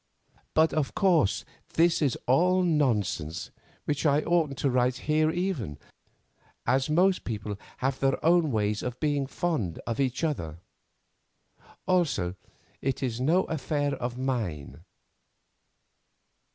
But, of course, this is all nonsense, which I oughtn't to write here even, as most people have their own ways of being fond of each other. Also, it is no affair of mine.